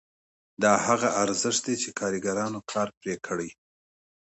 دا هغه ارزښت دی چې کارګرانو کار پرې کړی